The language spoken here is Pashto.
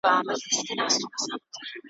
دا هېرسوي لحدونه `